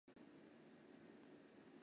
而且还有很多外国巴士及汽车。